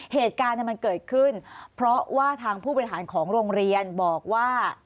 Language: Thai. เหตุการณ์มันเกิดขึ้นเพราะว่าทางผู้บริหารของโรงเรียนบอกว่า